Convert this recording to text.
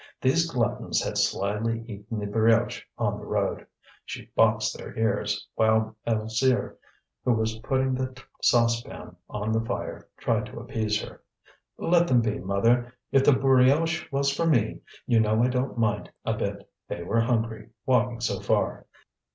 These gluttons had slyly eaten the brioche on the road. She boxed their ears, while Alzire, who was putting the saucepan on the fire, tried to appease her. "Let them be, mother. If the brioche was for me, you know I don't mind a bit. They were hungry, walking so far."